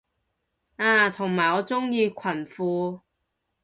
啊同埋我鍾意裙褲